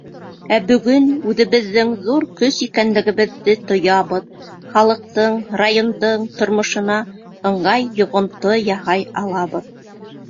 Ә бөгөн үҙебеҙҙең ҙур көс икәнлегебеҙҙе тоябыҙ, халыҡтың, райондың тормошона ыңғай йоғонто яһай алабыҙ.